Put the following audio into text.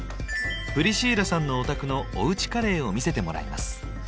プリシーラさんのお宅のおうちカレーを見せてもらいます。